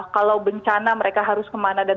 kalau bencana mereka harus kemana dan